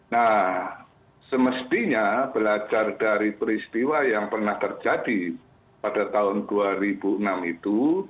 nah semestinya belajar dari peristiwa yang pernah terjadi pada tahun dua ribu enam itu